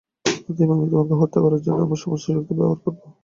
অতএব, আমি তোমাকে হত্যা করার জন্য আমার সমস্ত শক্তি ব্যবহার করব।